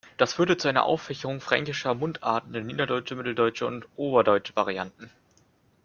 Das führte zu einer Auffächerung fränkischer Mundarten in niederdeutsche, mitteldeutsche und oberdeutsche Varianten.